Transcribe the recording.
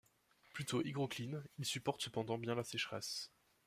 Plutôt hygrocline, il supporte cependant bien la sécheresse.